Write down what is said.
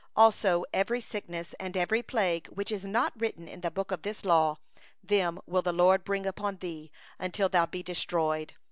61Also every sickness, and every plague, which is not written in the book of this law, them will the LORD bring upon thee, until thou be destroyed.